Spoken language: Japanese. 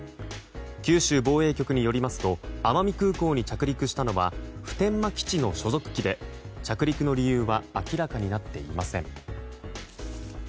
九州防衛局によりますと奄美空港に着陸したのは普天間基地の所属機で着陸の理由は明らかになっていません。